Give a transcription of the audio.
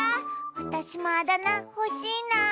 あたしもあだなほしいな。